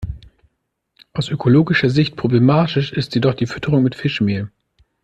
Aus ökologischer Sicht problematisch ist jedoch die Fütterung mit Fischmehl.